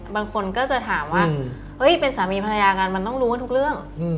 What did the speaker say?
บางคนก็จะถามว่าเฮ้ยเป็นสามีภรรยากันมันต้องรู้กันทุกเรื่อง